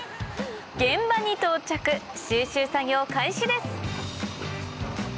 現場に到着収集作業開始です